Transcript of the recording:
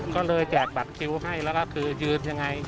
ก็เลยแจกบัตรคิวให้แล้วก็คือยืนยังไง